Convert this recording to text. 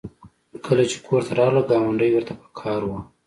کله چې کور ته راغلل ګاونډۍ ورته په قهر وه